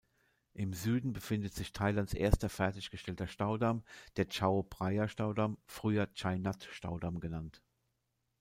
Im Süden befindet sich Thailands erster fertiggestellter Staudamm, der Chao-Phraya-Staudamm, früher Chai-Nat-Staudamm genannt.